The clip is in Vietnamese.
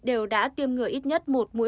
đều đã tiêm ngừa ít nhất một mũi